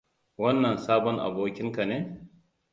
Wannan sabon abokinka ne?